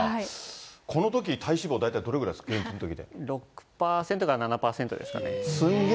このとき、体脂肪大体どれくらい６％から７％ですかね。